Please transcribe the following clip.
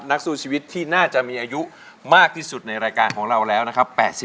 นักสู้ชีวิตที่น่าจะมีอายุมากที่สุดในรายการของเราแล้วนะครับ